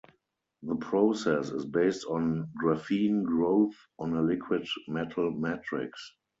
The process is based on graphene growth on a liquid metal matrix.